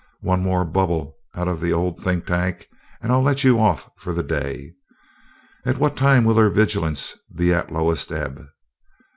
One more bubble out of the old think tank and I'll let you off for the day. At what time will their vigilance be at lowest ebb?